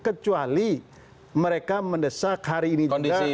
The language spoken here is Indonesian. kecuali mereka mendesak hari ini juga